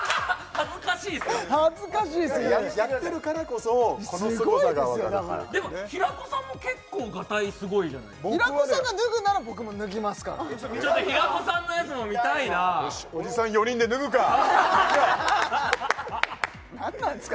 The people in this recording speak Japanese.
恥ずかしいっすやってるからこそこのすごさが分かるでも平子さんも結構がたいすごいじゃない平子さんが脱ぐなら僕も脱ぎますからちょっと平子さんのやつも見たいなよしおじさん４人で脱ぐかなんなんですか？